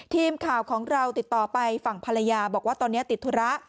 ทีมข่าวของเราติดต่อไปฝั่งภรรยาบอกว่าตอนนี้ติดธุระ